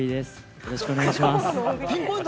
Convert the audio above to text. よろしくお願いします。